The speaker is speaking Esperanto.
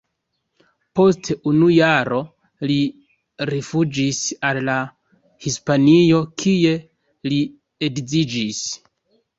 Post unu jaro li rifuĝis al Hispanio, kie li edziĝis.